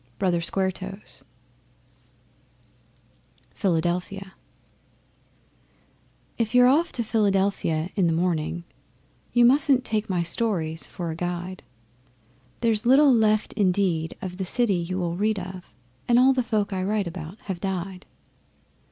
BROTHER SQUARE TOES Philadelphia If you're off to Philadelphia in the morning, You mustn't take my stories for a guide. There's little left indeed of the city you will read of, And all the folk I write about have died.